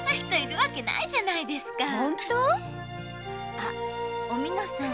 あおみのさん。